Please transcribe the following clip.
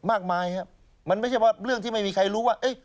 มากมายครับมันไม่ใช่ว่าเรื่องที่ไม่มีใครรู้ว่า